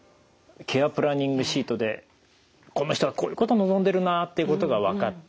ケア・プランニングシートでこの人はこういうこと望んでるなっていうことが分かった。